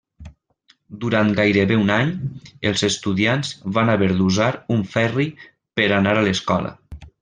Durant gairebé un any, els estudiants van haver d'usar un ferri per anar a l'escola.